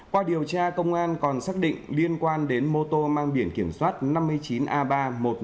qua điều tra công an còn xác định liên quan đến mô tô mang biển kiểm soát năm mươi chín a ba một mươi một nghìn năm trăm tám mươi tám